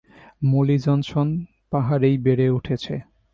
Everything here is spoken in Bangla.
মলি জনসন পাহাড়েই বেড়ে উঠেছে।